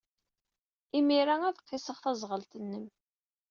Imir-a, ad qisseɣ taẓɣelt-nnem.